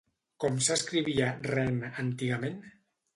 Com s'escrivia Ren antigament?